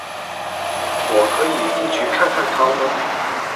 我可以进去看看他吗？